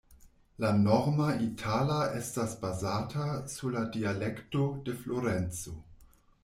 La norma itala estas bazata sur la dialekto de Florenco.